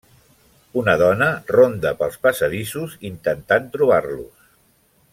Una dona ronda pels passadissos intentant trobar-los.